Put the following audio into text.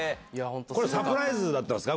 これ、サプライズだったんですか？